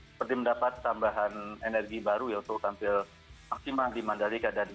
seperti mendapat tambahan energi baru yaitu tampil maksimal di mandalika